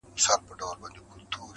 پخوانی خلک ماش کرل.